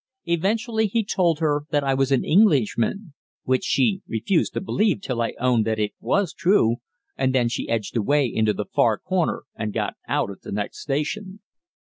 Eventually he told her that I was an Englishman, which she refused to believe till I owned that it was true, and then she edged away into the far corner and got out at the next station.